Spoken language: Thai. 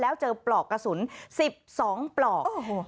แล้วเจอปลอกกระสุน๑๒ปลอก